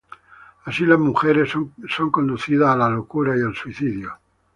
Así las mujeres son conducidas a la locura y al suicidio.